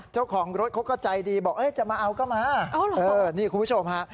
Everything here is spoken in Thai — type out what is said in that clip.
เจ้าของรถเขาก็ใจดีบอกจะมาเอาก็มา